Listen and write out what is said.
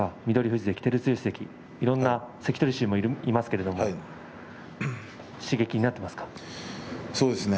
富士関、照強関いろんな関取衆もいますけれども刺激になっていますか？